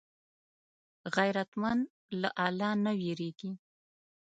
غیرتمند له الله نه وېرېږي